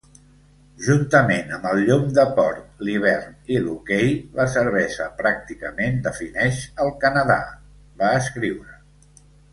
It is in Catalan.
"Juntament amb el llom de porc, l'hivern i l'hoquei, la cervesa pràcticament defineix el Canadà", va escriure.